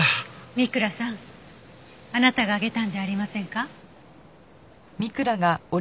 三倉さんあなたがあげたんじゃありませんか？